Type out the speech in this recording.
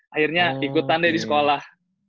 akhirnya ikutan deh di sekolah